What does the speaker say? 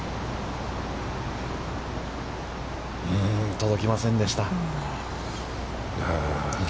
届きませんでした。